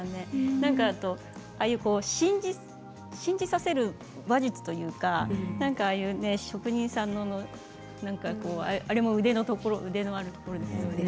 なんか信じさせる話術というか職人さんの何かあれも腕のあるところですよね。